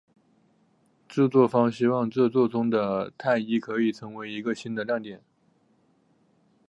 制作方希望这作中的泰伊可以成为一个新的亮点。